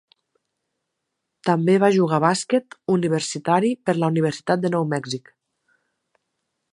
També va jugar bàsquet universitari per la Universitat de Nou Mèxic.